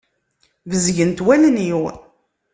Bezgent wallen-iw.